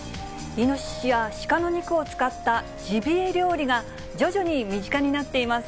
イノシシやシカの肉を使ったジビエ料理が、徐々に身近になっています。